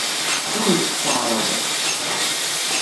Ad kent-t-teɛṛeḍ?